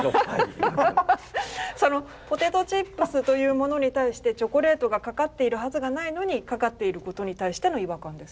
ポテトチップスというものに対してチョコレートがかかっているはずがないのにかかっていることに対しての違和感ですか？